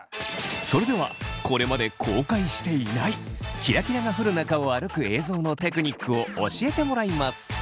それではこれまで公開していないキラキラが降る中を歩く映像のテクニックを教えてもらいます。